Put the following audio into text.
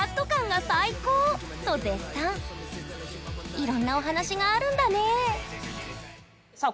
いろんなお話があるんだねさあ